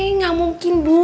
nggak mungkin bu